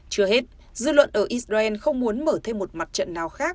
chưa hết dư luận ở israel không muốn mở thêm một mặt trận nào khác